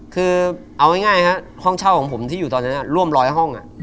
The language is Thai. คือเอาง่ายครับห้องเช่าของผมที่อยู่ตอนนั้นร่วมร้อยห้อง